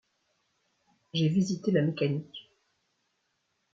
J’ai visité la mécanique.